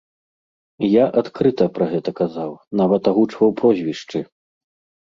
І я адкрыта пра гэта казаў, нават агучваў прозвішчы.